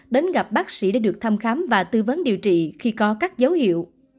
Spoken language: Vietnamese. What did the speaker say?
đến gặp bác sĩ để được thăm khám và tư vấn điều trị khi có các dấu hiệu